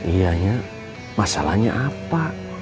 ianya masalahnya apa